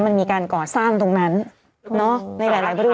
มันมีการก่อสร้างตรงนั้นในหลายบริเวณ